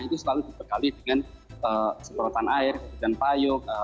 itu selalu dibekali dengan semprotan air kemudian payung